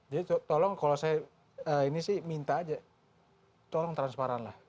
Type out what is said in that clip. jadi tolong kalau saya ini sih minta aja tolong transparan lah